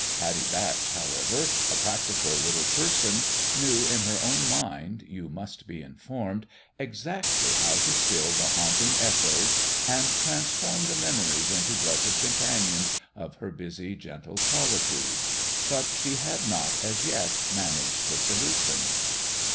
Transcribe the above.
Pattie Batch, however, a practical little person, knew in her own mind, you must be informed, exactly how to still the haunting echoes and transform the memories into blessed companions of her busy, gentle solitude ; but she had not as yet managed the solution.